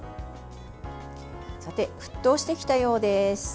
沸騰してきたようです。